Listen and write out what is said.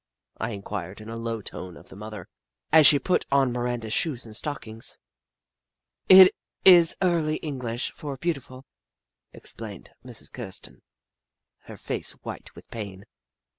" I in quired in a low tone of the mother, as she put on Miranda's shoes and stockings. "It is early English for 'beautiful,'" ex plained Mrs. Kirsten, her face white with pain.